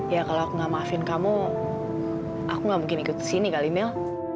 ya kalau aku nggak maafin kamu aku nggak mungkin ikut sini kali mil